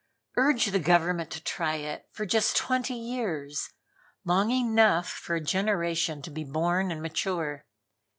Urge that Government to try it for just twenty years, long enough for a generation to be born and mature.